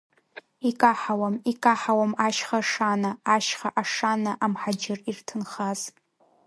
Икаҳауам, икаҳауам ашьха ашана, ашьха ашана, амҳаџьыр ирҭынхаз.